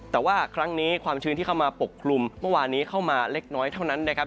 แต่ว่าครั้งนี้ความชื้นที่เข้ามาปกคลุมเมื่อวานนี้เข้ามาเล็กน้อยเท่านั้นนะครับ